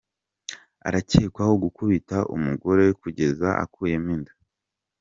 Arakekwaho gukubita umugore kugeza akuyemo inda